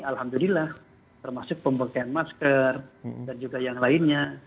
alhamdulillah termasuk pemakaian masker dan juga yang lainnya